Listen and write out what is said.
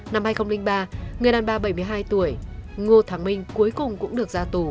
năm hai nghìn ba người đàn bà bảy mươi hai tuổi ngô thắng minh cuối cùng cũng được ra tù